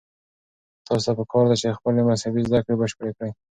تاسو ته پکار ده چې خپلې مذهبي زده کړې بشپړې کړئ.